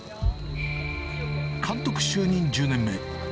監督就任１０年目。